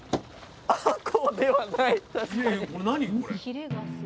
あこうではない確かに。